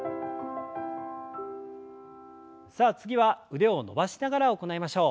さあ次は腕を伸ばしながら行いましょう。